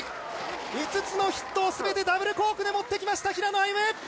５つのヒットを全てダブルコークで持ってきました平野歩夢！